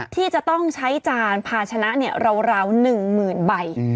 ที่จะต้องใช้จานพาชนะราว๑๐๐๐ใบ